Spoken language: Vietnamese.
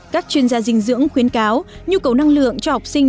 các chuyên gia dinh dưỡng khuyến cáo nhu cầu năng lượng cho học sinh